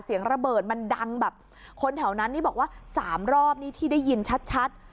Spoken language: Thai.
เสียงระเบิดมันดังแบบคนแถวนั้นนี่บอกว่าสามรอบนี่ที่ได้ยินชัด